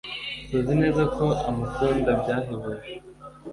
tuzi neza ko amukunda byahebuje